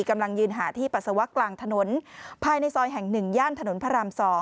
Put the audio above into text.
กำลังยืนหาที่ปัสสาวะกลางถนนภายในซอยแห่ง๑ย่านถนนพระราม๒